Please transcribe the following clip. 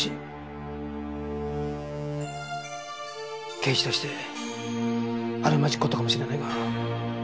刑事としてあるまじき事かもしれないが。